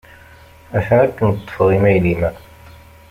Atan akken ṭṭfeɣ imayl-im.